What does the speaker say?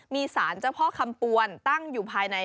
มีสารเจ้าพ่อคำปวนตั้งอยู่ภายใน